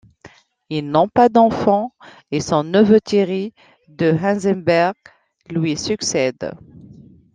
Ils n'ont pas d'enfants, et son neveu Thierry de Heinsberg lui succède.